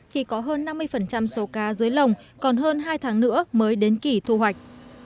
khi có hơn năm mươi số cá dưới lồng còn hơn hai tháng nữa mới đến kỷ thu hoạch